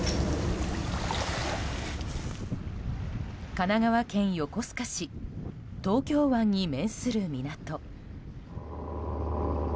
神奈川県横須賀市東京湾に面する港。